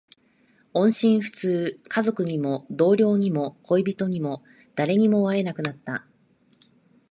音信不通。家族にも、同僚にも、恋人にも、誰にも会えなくなった。